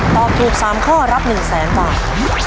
ตอบถูก๓ข้อรับ๑แสนบาท